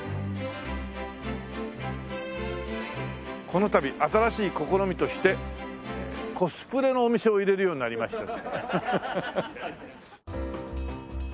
このたび新しい試みとしてコスプレのお店を入れるようになりました。